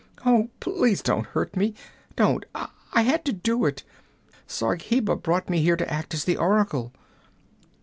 'Oh, please don't hurt me! Don't! I had to do it! Zargheba brought me here to act as the oracle!'